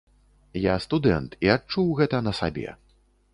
Я студэнт і адчуў гэта на сабе.